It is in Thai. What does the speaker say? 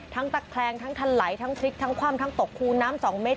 ตะแคลงทั้งทันไหลทั้งพลิกทั้งคว่ำทั้งตกคูน้ำ๒เมตร